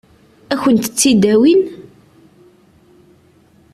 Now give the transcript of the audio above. Ad kent-t-id-awin?